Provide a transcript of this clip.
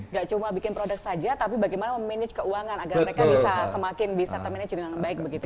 gak cuma bikin produk saja tapi bagaimana memanage keuangan agar mereka bisa semakin bisa ter manage dengan baik begitu ya